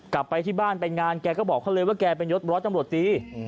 กลับไปที่บ้านไปงานแกก็บอกเขาเลยว่าแกเป็นยศร้อยตำรวจตี